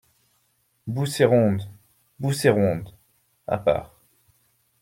Bousséronde !» Bousséronde , à part.